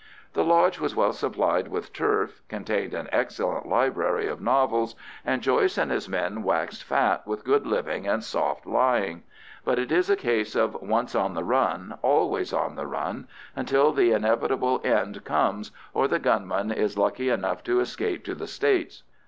The lodge was well supplied with turf, contained an excellent library of novels, and Joyce and his men waxed fat with good living and soft lying; but it is a case of once on the run, always on the run, until the inevitable end comes, or the gunman is lucky enough to escape to the States.